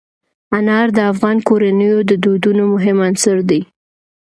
انار د افغان کورنیو د دودونو مهم عنصر دی.